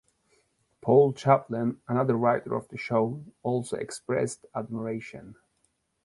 Paul Chaplin, another writer of the show, has also expressed admiration.